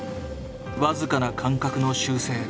僅かな感覚の修正。